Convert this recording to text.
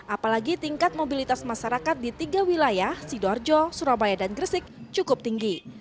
apalagi tingkat mobilitas masyarakat di tiga wilayah sidoarjo surabaya dan gresik cukup tinggi